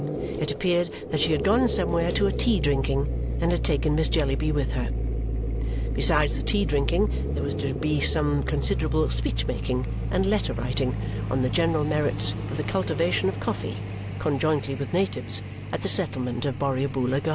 It appeared that she had gone somewhere to a tea drinking and had taken Miss Jellyby with her. Besides the tea drinking, there was to be some considerable speech making and letter writing on the general merits of the cultivation of coffee, conjointly with natives, at the Settlement of Borrioboola Gha.